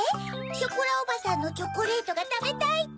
「ショコラおばさんのチョコレートがたべたい」って？